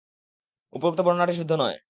উপরোক্ত বর্ণনাটি শুদ্ধ নয়।